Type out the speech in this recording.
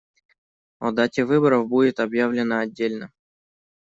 О дате выборов будет объявлено отдельно.